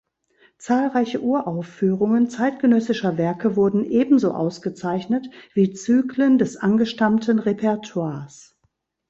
Zahlreiche Uraufführungen zeitgenössischer Werke wurden ebenso ausgezeichnet wie Zyklen des angestammten Repertoires.